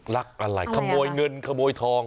รักอะไรขโมยเงินขโมยทอง